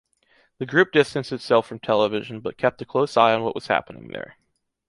The group distanced itself from television but kept a close eye on what was happening there.